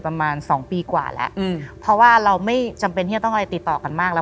ประมาณสองปีกว่าแล้วอืมเพราะว่าเราไม่จำเป็นที่จะต้องอะไรติดต่อกันมากแล้ว